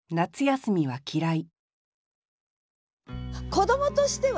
子どもとしてはね